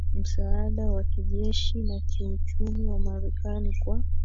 msaada wa kijeshi na kiuchumi wa Marekani kwa